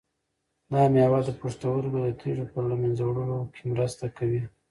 دا مېوه د پښتورګو د تیږو په له منځه وړلو کې مرسته کوي.